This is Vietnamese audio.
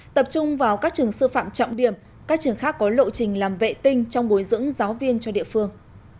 tập trung vào các trường sư phạm trọng điểm các trường khác có lộ trình làm vệ tinh trong bồi dưỡng giáo viên cho địa phương